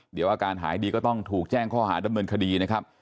เดี๋ยวอาการหายดีก็ต้องถูกแจ้งข้อหาดำเนินคดีนะครับ